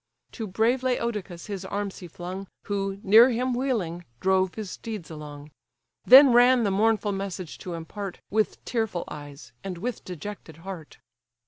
To brave Laodocus his arms he flung, Who, near him wheeling, drove his steeds along; Then ran the mournful message to impart, With tearful eyes, and with dejected heart.